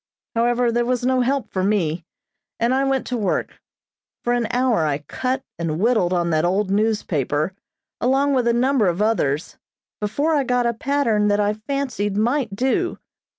However, there was no help for me, and I went to work. For an hour I cut and whittled on that old newspaper, along with a number of others, before I got a pattern that I fancied might do.